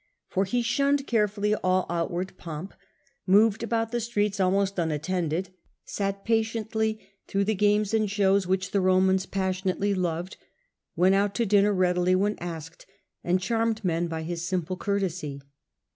F or he shunned carefully manne^rTof^ all outward pomp, moved about the streets Aug^ustus. almost unattended, sat patiently through the games and shows which the Romans passionately loved, went out to dinner readily when asked, and charmed men by his simple courtesy.